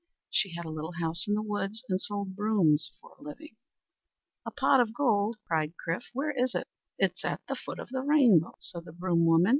She had a little house in the woods and sold brooms for a living. "A pot of gold!" cried Chrif. "Where is it?" "It's at the foot of the rainbow," said the broom woman.